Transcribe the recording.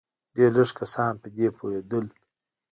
ډېر لږ کسان په دې پوهېدل.